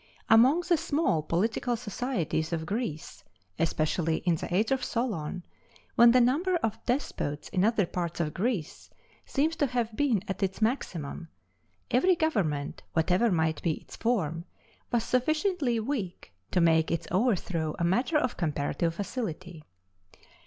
Among the small political societies of Greece especially in the age of Solon, when the number of despots in other parts of Greece seems to have been at its maximum every government, whatever might be its form, was sufficiently weak to make its overthrow a matter of comparative facility.